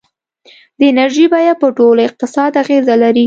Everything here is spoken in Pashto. د انرژۍ بیه په ټول اقتصاد اغېزه لري.